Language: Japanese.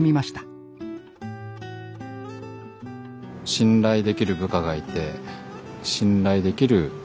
信頼できる部下がいて信頼できる上司がいて